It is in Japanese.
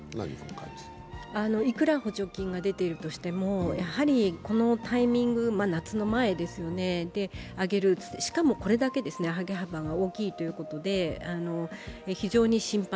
いくら補助金が出ているとしても、やはりこのタイミング、夏の前ですよね、上げる、しかもこれだけ上げ幅が大きいということで非常に心配。